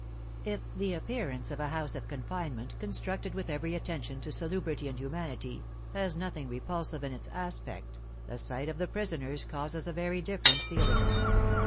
If the appearance of a house of confinement, constructed with every attention to salubrity and humanity, has nothing repulsive in its aspect, the sight of the prisoners causes a very different feeling.